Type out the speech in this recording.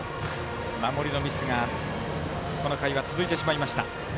守りのミスがこの回は続いてしまいました。